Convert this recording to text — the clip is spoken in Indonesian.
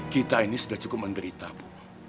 kita ini sudah cukup menderita bu